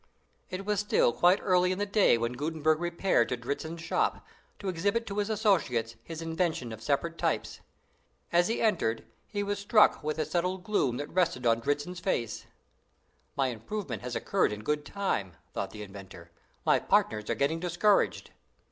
It was still quite early in the day when Gutenberg repaired to Dritzhn's shop, to exhibit to his associates his invention of separate types. As he entered, he was struck with the settled gloom that rested on Dritzhn's face. "My improvement has occurred in good time," thought the inventor; "my partners are getting discouraged."